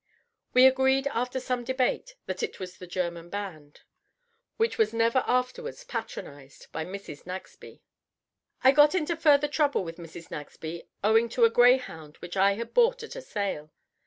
We agreed after some debate that it was the German band, which was never afterwards patronized by Mrs. Nagsby. I got into further trouble with Mrs. Nagsby owing to a greyhound which I had bought at a sale.